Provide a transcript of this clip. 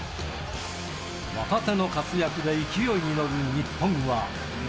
若手の活躍で勢いに乗る日本は。